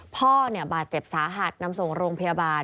พ่อบาดเจ็บสาหัสนำส่งโรงพยาบาล